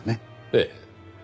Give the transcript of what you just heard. ええ。